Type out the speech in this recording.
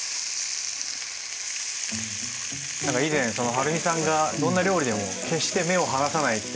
何か以前そのはるみさんがどんな料理でも決して目を離さないって。